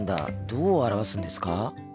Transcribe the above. どう表すんですか？